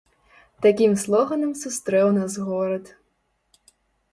Такім слоганам сустрэў нас горад!